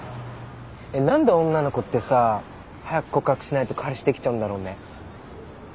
え何で女の子ってさ早く告白しないと彼氏できちゃうんだろうね？